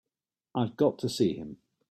I've got to see him.